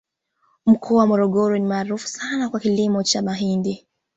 mkoa wa morogoro ni maarufu sana kwa kilimo cha mahindi